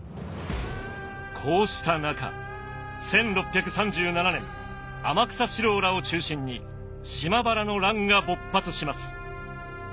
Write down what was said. こうした中１６３７年天草四郎らを中心に島原の乱が勃発します。